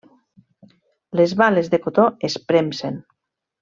Les bales de cotó es premsen.